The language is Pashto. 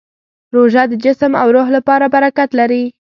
روژه د جسم او روح لپاره برکت لري.